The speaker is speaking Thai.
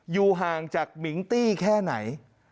อยู่ห่างจากมิงตี้แค่ไหน